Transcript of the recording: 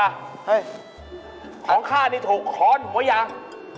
หอค่านี่ถูกค้อนหัวยาง